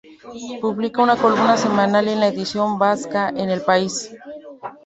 Publica una columna semanal en la edición vasca de El País.